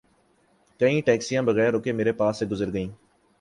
کئی ٹیکسیاں بغیر رکے میر پاس سے گزر گئیں